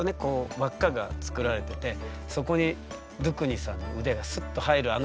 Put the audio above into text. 輪っかが作られててそこにドゥクニさんの腕がスッと入るあの自然さがね